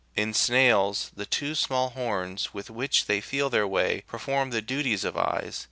In snails,91 the two small horns with which they feel their way, perform the duties of eyes.